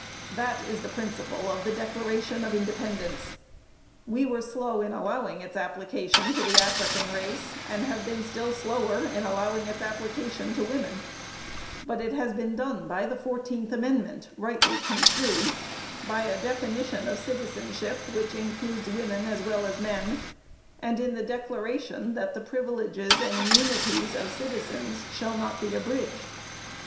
That is the principle of the declaration of independence. We were slow in allowing its application to the African race, and have been still slower in allowing its application to women; but it has been done by the fourteenth amendment, rightly construed, by a definition of "citizenship," which includes women as well as men, and in the declaration that "the privileges and immunities of citizens shall not be abridged."